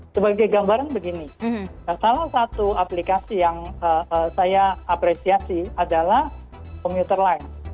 sebagai gambaran begini salah satu aplikasi yang saya apresiasi adalah komuter line